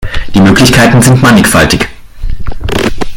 Die Möglichkeiten sind mannigfaltig.